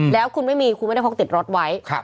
แล้วคุณไม่มีคุณไม่ได้พกติดรถไว้